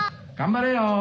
頑張れよ！